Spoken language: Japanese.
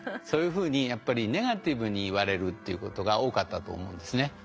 そういうふうにやっぱりネガティブに言われるっていうことが多かったと思うんですね。